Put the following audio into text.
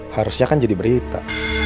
harusnya kan jadi berita